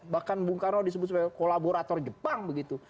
bahkan bung karno disebut sebagai kolaborator jepang begitu